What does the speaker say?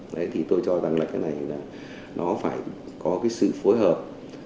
đấy thì tôi cho rằng là cái này là nó phải có cái sự phối hợp